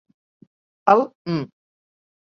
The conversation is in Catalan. El m